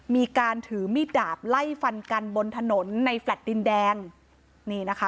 มีการถือมีดดาบไล่ฟันกันบนถนนในแฟลต์ดินแดงนี่นะคะ